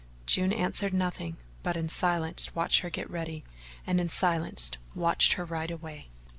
June answered nothing, but in silence watched her get ready and in silence watched her ride away.